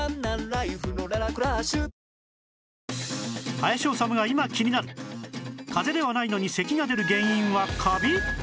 林修が今気になるかぜではないのに咳が出る原因はカビ！？